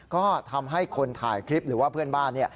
ก็ทำให้คนถ่ายคลิปหรือว่าเพื่อนบ้าน